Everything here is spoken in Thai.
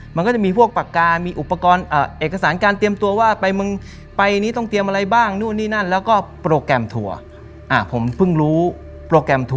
มันก็จะมีพวกปากกามีอักษรการเตรียมตัวว่า